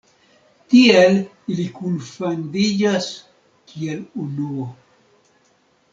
Tiel ili kunfandiĝas kiel unuo.